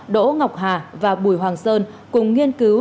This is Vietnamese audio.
đỗ ngọc hà và bùi hoàng sơn cùng nghiên cứu